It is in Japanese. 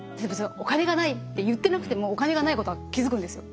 お金がないって言ってなくてもお金がないことは気付くんですよ。